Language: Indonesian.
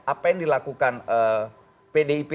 apa yang dilakukan pdip